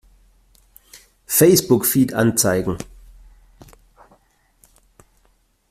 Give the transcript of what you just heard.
Facebook-Feed anzeigen!